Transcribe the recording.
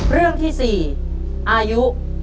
เรื่องที่๔อายุ